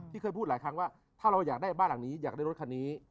เคยพูดหลายครั้งว่าถ้าเราอยากได้บ้านหลังนี้อยากได้รถคันนี้